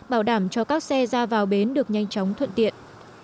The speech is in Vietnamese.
bảo đảm cho các xe ra vào bến được nhanh chóng thuận tiện